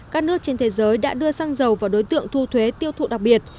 các nước trên thế giới đã đưa xăng dầu vào đối tượng thu thuế tiêu thụ đặc biệt